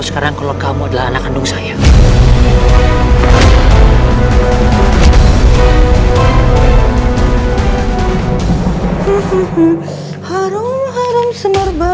sekarang gue baru tahu kalo itu lo anak kandung gue